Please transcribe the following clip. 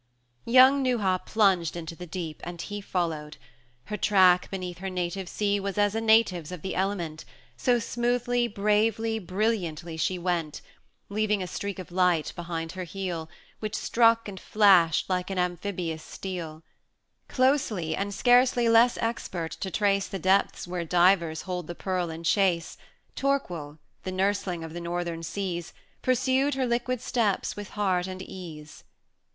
VI. Young Neuha plunged into the deep, and he Followed: her track beneath her native sea Was as a native's of the element, So smoothly bravely brilliantly she went, Leaving a streak of light behind her heel, Which struck and flashed like an amphibious steel, 110 Closely, and scarcely less expert to trace The depths where divers hold the pearl in chase, Torquil, the nursling of the northern seas, Pursued her liquid steps with heart and ease.